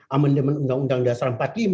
amandemen undang undang dasar empat puluh lima